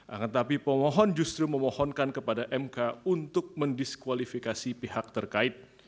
akan tetapi pemohon justru memohonkan kepada mk untuk mendiskualifikasi pihak terkait